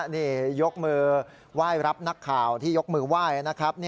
นี่ยกมือไหว้รับนักข่าวที่ยกมือไหว้นะครับ